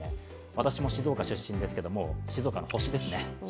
私も静岡出身ですけれども、もう静岡の星ですね。